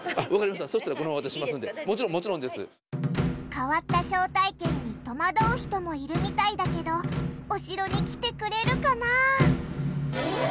変わった招待券に戸惑う人もいるみたいだけどお城に来てくれるかな？